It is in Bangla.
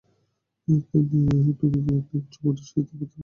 তিনি আন নদওয়া নামক একটি উচ্চমানের সাহিত্য পত্রিকাও প্রতিষ্ঠা করেন।